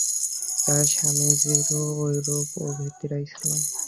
আর স্বামীজীরও ঐরূপ অভিপ্রায়ই ছিল।